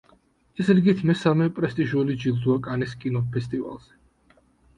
ის რიგით მესამე პრესტიჟული ჯილდოა კანის კინოფესტივალზე.